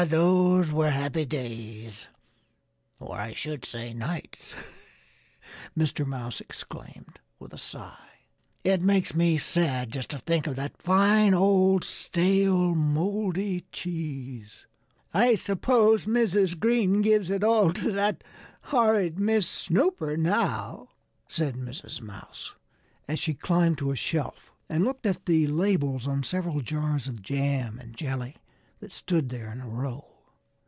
Those were happy days or, I should say, nights!" Mr. Mouse exclaimed with a sigh. "It makes me sad just to think of that fine, old, stale, moldy cheese." "I suppose Mrs. Green gives it all to that horrid Miss Snooper now," said Mrs. Mouse, as she climbed to a shelf and looked at the labels on several jars of jam and jelly that stood there in a row.